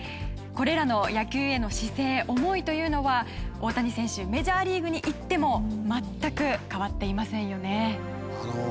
これらの野球への姿勢思いというのは大谷選手メジャーリーグに行っても全く変わっていませんよね。